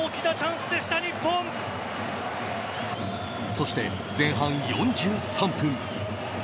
そして前半４３分。